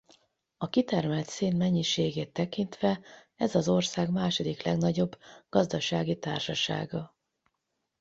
A kitermelt szén mennyiségét tekintve ez az ország második legnagyobb gazdasági társasága.